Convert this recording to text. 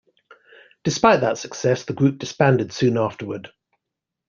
Despite that success, the group disbanded soon afterward.